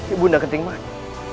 ibu undah kentering mata